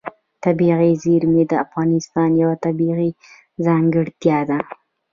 طبیعي زیرمې د افغانستان یوه طبیعي ځانګړتیا ده.